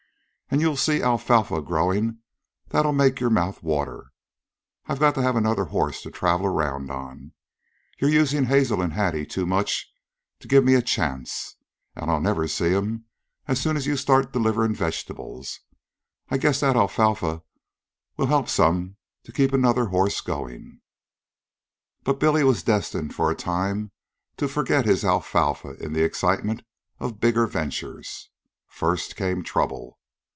An' you'll see alfalfa growin' that'll make your mouth water. I gotta have another horse to travel around on. You're usin' Hazel an' Hattie too much to give me a chance; an' I'll never see 'm as soon as you start deliverin' vegetables. I guess that alfalfa'll help some to keep another horse goin'." But Billy was destined for a time to forget his alfalfa in the excitement of bigger ventures. First, came trouble.